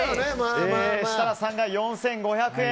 設楽さんが４５００円。